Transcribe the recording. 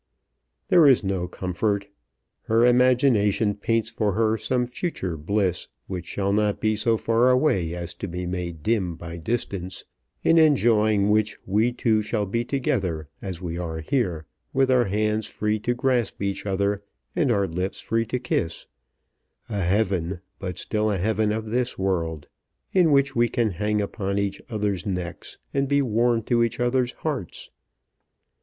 "There is no comfort. Her imagination paints for her some future bliss, which shall not be so far away as to be made dim by distance, in enjoying which we two shall be together, as we are here, with our hands free to grasp each other, and our lips free to kiss; a heaven, but still a heaven of this world, in which we can hang upon each other's necks and be warm to each other's hearts.